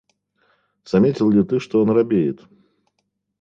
Заметил ли ты, что он робеет?